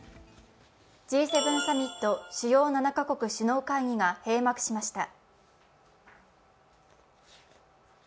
Ｇ７サミット＝主要７か国首脳会議が閉幕しました。